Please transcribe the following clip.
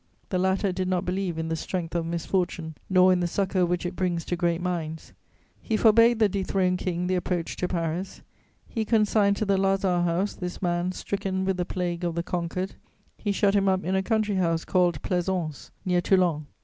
The latter did not believe in the strength of misfortune, nor in the succour which it brings to great minds: he forbade the dethroned King the approach to Paris; he consigned to the lazar house this man stricken with the plague of the conquered; he shut him up in a country house called Plaisance, near Toulon.